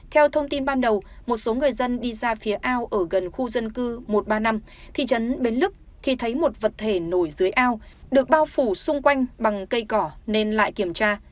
theo thông tin ban đầu một số người dân đi ra phía ao ở gần khu dân cư một trăm ba mươi năm thị trấn bến lức thì thấy một vật thể nổi dưới ao được bao phủ xung quanh bằng cây cỏ nên lại kiểm tra